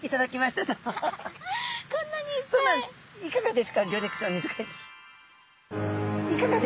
いかがですか？